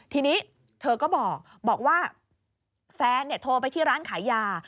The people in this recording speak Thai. ทีนี้เธอก็บอกว่าแฟนโทรไปที่ร้านขายยา